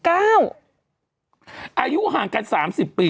อายุห่างกัน๓๐ปี